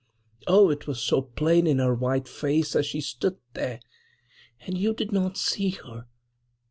Oh, it was so plain in her white face as she stood there. And you did not see her?"